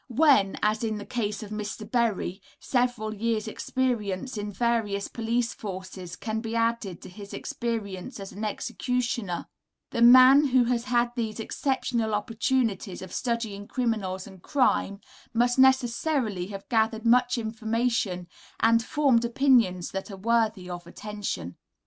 When, as in the case of Mr. Berry, several years' experience in various police forces can be added to his experience as an executioner, the man who has had these exceptional opportunities of studying criminals and crime, must necessarily have gathered much information and formed opinions that are worthy of attention.